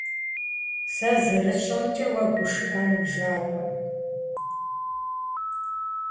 Сэ зэрысщӀэмкӀэ, уэ гушыӀэн уи жагъуэкъым.